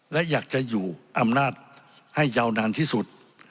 และอยากจะอยู่อำนาจให้ยาวนานที่สุด